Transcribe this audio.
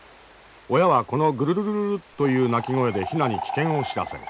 親はこのグルルルルルッという鳴き声でヒナに危険を知らせる。